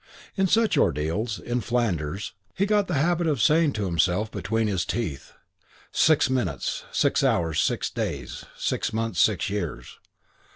In such ordeals, in Flanders, he got the habit of saying to himself between his teeth, "Six minutes, six hours, six days, six months, six years.